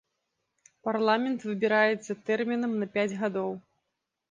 Парламент выбіраецца тэрмінам на пяць гадоў.